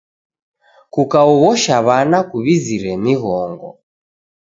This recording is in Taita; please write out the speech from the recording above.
Kukaoghosha w'ana kuw'izire mighongo.